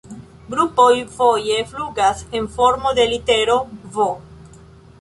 Grupoj foje flugas en formo de litero "V".